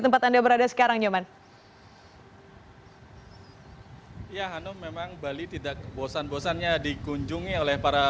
tempat anda berada sekarang nyoman ya hanum memang bali tidak bosan bosannya dikunjungi oleh para